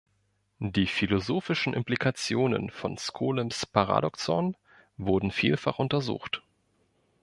Die philosophischen Implikationen von Skolems Paradoxon wurden vielfach untersucht.